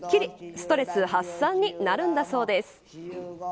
ストレス発散になるんだそうです。